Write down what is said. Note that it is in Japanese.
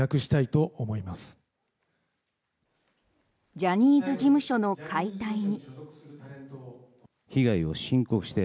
ジャニーズ事務所の解体に。